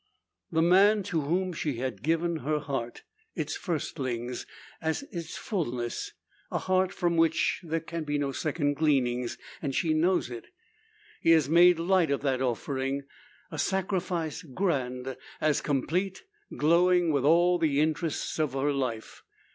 The man to whom she has given her heart its firstlings, as its fulness a heart from which there can be no second gleanings, and she knows it he has made light of the offering. A sacrifice grand, as complete; glowing with all the interests of her life.